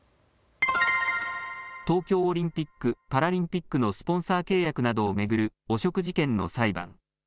東京オリンピック・パラリンピックのスポンサー契約などを巡る汚職事件の裁判。